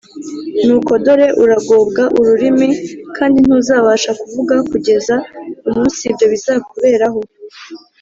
‘Nuko dore uragobwa ururimi, kandi ntuzabasha kuvuga kugeza umunsi ibyo bizakuberaho,